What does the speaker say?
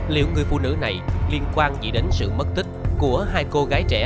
liệu người phụ nữ này liên quan gì đến sự mất tích của hai cô gái trẻ